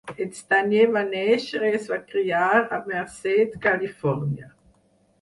En Stayner va nàixer i es va criar a Merced, California.